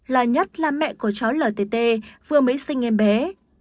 lời nhất là mẹ của cháu ltt vừa mới sinh em bé